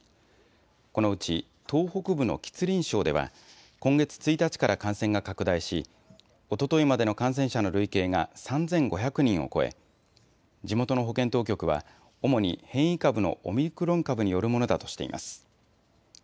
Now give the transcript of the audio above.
このうち東北部の吉林省では今月１日から感染が拡大し、おとといまでの感染者の累計が３５００人を超え地元の保健当局は主に変異株のオミクロン株によるものだとしています。